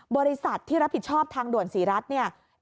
บริษัทที่รับผิดชอบทางด่วนศรีรัฐเนี่ย